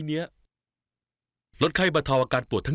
เยี่ยมมาก